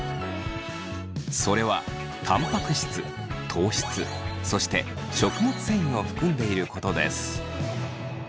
それはたんぱく質糖質そして食物繊維を含んでいることです。